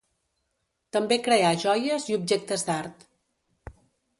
També creà joies i objectes d'art.